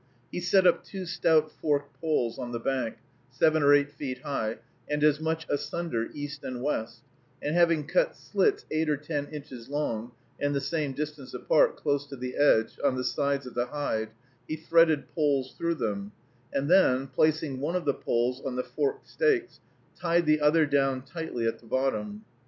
He set up two stout forked poles on the bank, seven or eight feet high, and as much asunder east and west, and having cut slits eight or ten inches long, and the same distance apart, close to the edge, on the sides of the hide, he threaded poles through them, and then, placing one of the poles on the forked stakes, tied the other down tightly at the bottom.